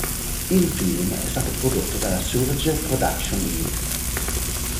Il film è stato prodotto dalla Surge Productions Inc.